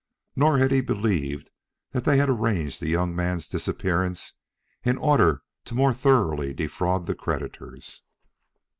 Nor had he believed that they had arranged the young man's disappearance in order the more thoroughly to defraud the creditors.